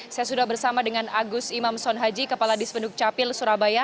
saya sudah bersama dengan agus imam sonhaji kepala dispenduk capil surabaya